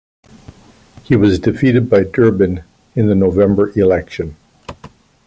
He was defeated by Durbin in the November election.